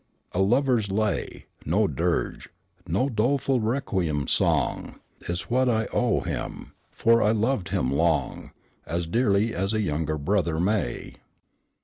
... A lover's lay No dirge no doleful requiem song Is what I owe him; for I loved him long; As dearly as a younger brother may.